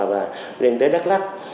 và lên tới đắk lắc